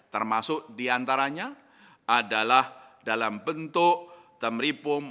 termasuk di antaranya adalah dalam bentuk temripum